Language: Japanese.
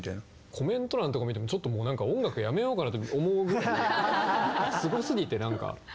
コメント欄とか見てもちょっともう音楽やめようかなと思うぐらいすごすぎてなんか。